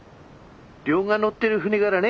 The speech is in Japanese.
亮が乗ってる船がらね